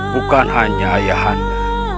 bukan hanya ayanda